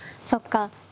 そっか。